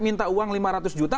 minta uang lima ratus juta